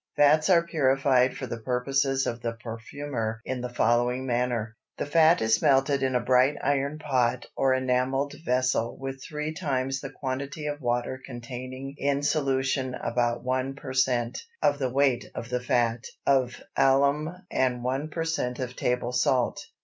Fats are purified for the purposes of the perfumer in the following manner: The fat is melted in a bright iron pot or enamelled vessel with three times the quantity of water containing in solution about one per cent (of the weight of the fat) of alum and one per cent of table salt.